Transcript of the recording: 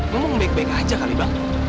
mumpung baik baik aja kali bang